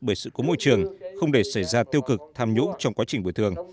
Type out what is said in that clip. bởi sự cố môi trường không để xảy ra tiêu cực tham nhũng trong quá trình bồi thường